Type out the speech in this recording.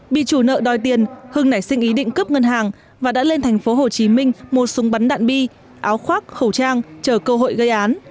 bị chủ nợ đòi tiền hưng nảy sinh ý định cướp ngân hàng và đã lên thành phố hồ chí minh mua súng bắn đạn bi áo khoác khẩu trang chờ cơ hội gây án